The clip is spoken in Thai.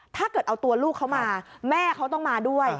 ถ้าเกิดเอาตัวลูกเขามาแม่เขาต้องมาด้วย